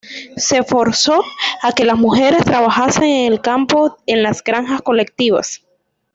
Se forzó a que las mujeres trabajasen en el campo en las granjas colectivas.